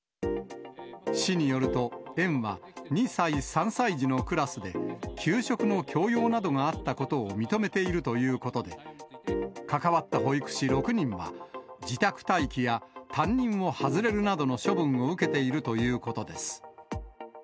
市によると、園は、２歳・３歳児のクラスで、給食の強要などがあったことを認めているということで、関わった保育士６人は、自宅待機や担任を外れるなどの処分を受けているということです。